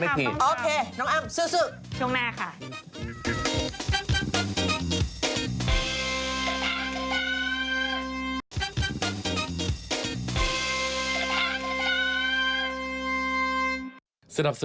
ไม่เข็ดงานพูดจักรเขาอาจจะทำอีกเลย